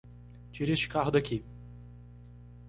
Tire este carro daqui!